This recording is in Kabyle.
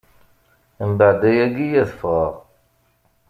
Mbeɛd ayagi, ad ffɣeɣ.